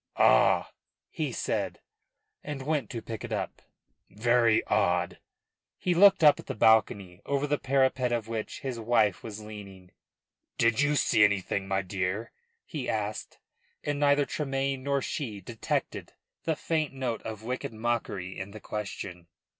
"Ah!" he said, and went to pick it up. "Very odd!" He looked up at the balcony, over the parapet of which his wife was leaning. "Did you see anything, my dear?" he asked, and neither Tremayne nor she detected the faint note of wicked mockery in the question.